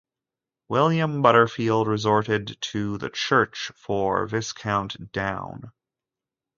William Butterfield restored the church for Viscount Downe.